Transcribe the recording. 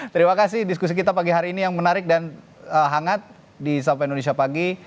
terima kasih diskusi kita pagi hari ini yang menarik dan hangat di sapa indonesia pagi